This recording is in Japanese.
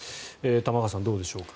玉川さん、どうでしょう。